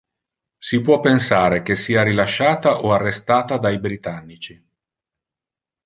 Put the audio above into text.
Si può pensare che sia rilasciata o arrestata dai britannici.